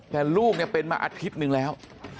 แต่ลูกเนี่ยเป็นมาอาทิตย์หนึ่งแล้ว